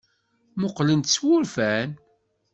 Mmuqqlen-t s wurfan.